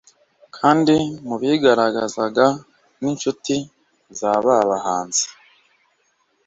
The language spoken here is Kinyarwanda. kandi mu bigaragazaga nk’inshuti z’aba bahanzi